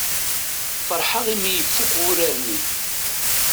Feṛḥeɣ i mi ifukk wurar-nni.